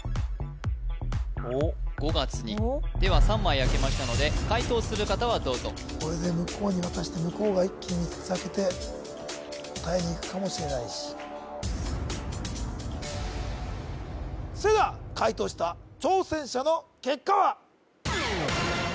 ・おっ「５月に」では３枚開けましたので解答する方はどうぞこれで向こうに渡して向こうが一気に３つ開けて答えにいくかもしれないしそれでは解答した挑戦者の結果は？